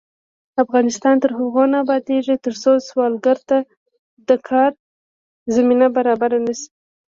افغانستان تر هغو نه ابادیږي، ترڅو سوالګر ته د کار زمینه برابره نشي.